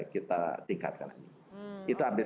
kita tingkatkan itu update